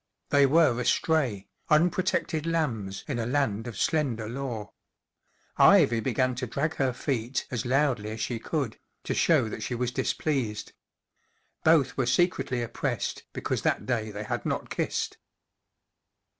They were astray, unpro¬ tected lambs in a land of slender law* Ivy began to drag her feet as loudly as she could, to show that she was dis¬ pleased, Both were secretly op¬ pressed because that day they had not kissed.